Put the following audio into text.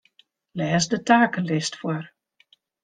Lês de takelist foar.